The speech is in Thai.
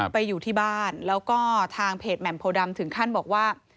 ไปอยู่ที่บ้านแล้วก็ทางเพจแหม่มโพดำถึงขั้นบอกว่า